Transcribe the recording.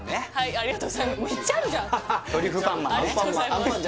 ありがとうございます